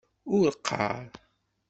Ur qqar.